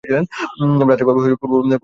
ভ্রাতৃভাব পূর্ব হইতেই বিদ্যমান রহিয়াছে।